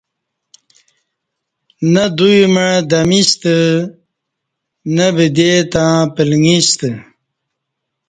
نہ دوی مع دمیستہ نہ بدی تہ پلݣیستہ